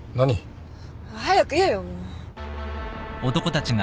早く言えよもう。